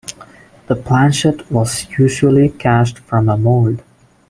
The planchet was usually cast from a mold.